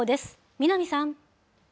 南さん。